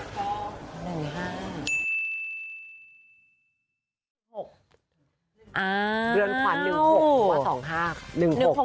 เหมือนขวัญ๑๖หรือเป็น๒๕